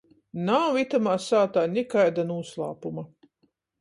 Nav itymā sātā nikaida nūslāpuma!